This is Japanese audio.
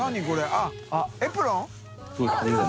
あっエプロン？淵